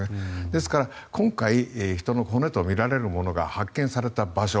ですから、今回人の骨とみられるものが発見された場所。